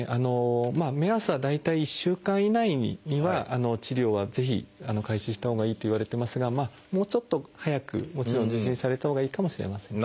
目安は大体１週間以内には治療はぜひ開始したほうがいいといわれてますがもうちょっと早くもちろん受診されたほうがいいかもしれませんね。